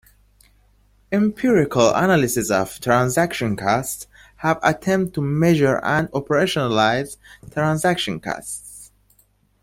Empirical analyses of transaction costs have attempted to measure and operationalize transaction costs.